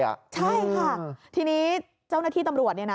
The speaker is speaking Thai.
ใช่ค่ะทีนี้เจ้าหน้าที่ตำรวจ